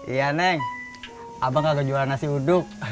iya neng abang gak kejuaraan nasi uduk